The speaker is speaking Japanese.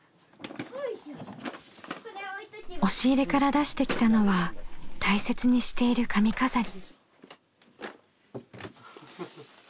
押し入れから出してきたのは大切にしている髪飾り。